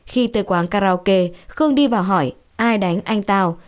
khi tới quán karaoke khương đi vào hỏi ai đánh anh tao